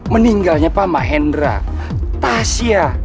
meninggalnya pak mahendra tasya